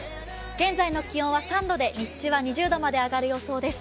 現在の気温は３度で日中は２０度まで上がる予想です。